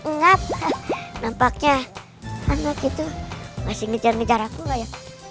nampaknya anak itu masih ngejar ngejar aku gak ya